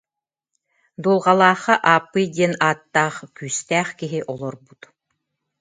Дулҕалаахха Ааппый диэн ааттаах күүстээх киһи олорбут